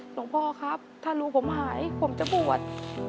หลวงพ่อครับถ้าลูกผมหายผมจะบวช